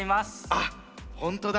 あっほんとだ。